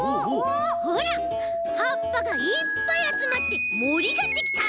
ほらはっぱがいっぱいあつまってもりができた！